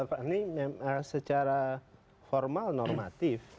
bapak ini secara formal normatif